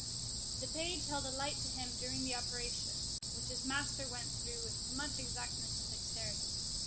The page held a light to him during the operation, which his master went through with much exactness and dexterity.